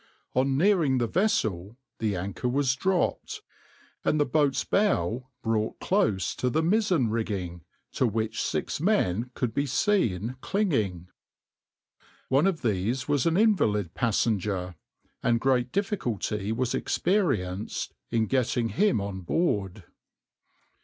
On nearing the vessel the anchor was dropped, and the boat's bow brought close to the mizzen rigging, to which six men could be seen clinging. One of these was an invalid passenger, and great difficulty was experienced in getting him on board.